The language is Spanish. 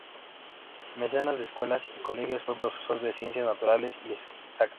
Mecenas de escuelas y colegios, fue profesor de Ciencias Naturales y Exactas.